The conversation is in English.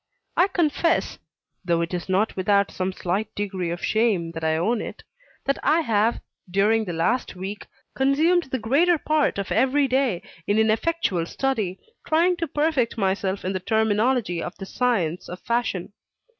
I confess (though it is not without some slight degree of shame that I own it), that I have, during the last week, consumed the greater part of every day in ineffectual study, trying to perfect myself in the terminology of the science of Fashion.